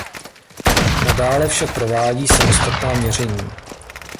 Nadále však provádí samostatná měření.